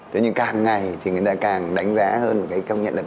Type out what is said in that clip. thế nhưng càng ngày thì người ta càng đánh giá hơn một cái công nhận là